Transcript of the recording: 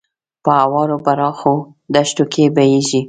په هوارو پراخو دښتو کې بهیږي.